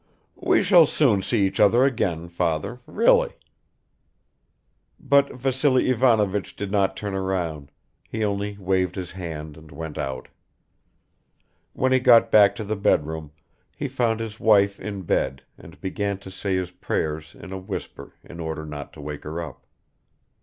"We shall soon see each other again, father, really." But Vassily Ivanovich did not turn round, he only waved his hand and went out. When he got back to the bedroom, he found his wife in bed and began to say his prayers in a whisper in order not to wake her up.